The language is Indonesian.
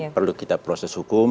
perlu kita proses hukum